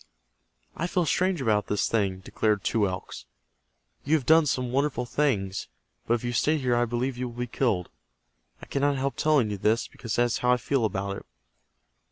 "I feel strange about this thing," declared Two Elks. "You have done some wonderful things, but if you stay here I believe you will be killed. I cannot help telling you this, because that is how I feel about it."